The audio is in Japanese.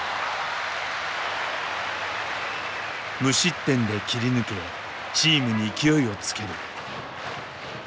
無失点で切り抜けチームに勢いをつける。